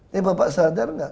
tapi bapak sadar nggak